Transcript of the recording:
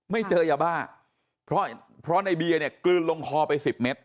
ไม่เจอยาบ้าเพราะในเบียร์เนี่ยกลืนลงคอไปสิบเมตร